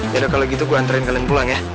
yaudah kalau gitu gue antren kalian pulang ya